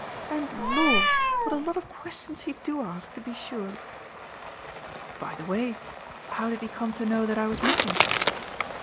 And Lord; what a lot of questions he do ask, to be sure!" "By the way, how did he come to know that I was missing?"